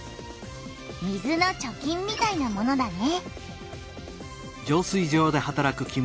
「水の貯金」みたいなものだね。